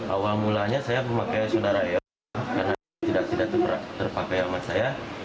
awal mulanya saya memakai saudara el karena tidak tidak terpakai sama saya